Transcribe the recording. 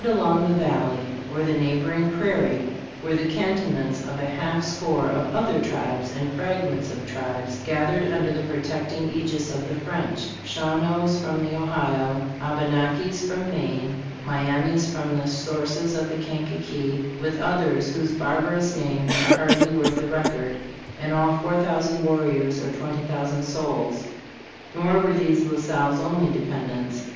31 along the valley, or over the neighboring prairie, were the cantonments of a half score of other tribes, and fragmentsof tribes, gathered under the protecting aegis of the French Shawanoes from the Ohio, Abenakis from Maine, Mi amis from the sources of the Kankakee, with others whose barbarous names are hardly worth the record [in all four thousand warriors, or twenty thou sand souls] . Nor were these La Salle's only dependents.